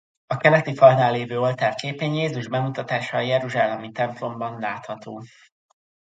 A keleti falnál levő oltár képén Jézus bemutatása a jeruzsálemi templomban látható.